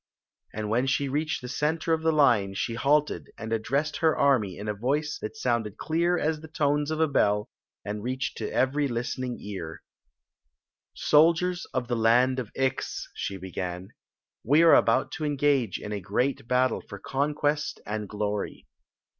niM Ac reached the center of the line she halted,^ .iil^r^^d her army in a voice that sounded i68 Queen Zixi of Ix ; or, the clear as the tones of a bell and reached to every lis tening ear. "Soldiers of the land of Ix," began, "we are about to engage in a great battle for conquest and glory.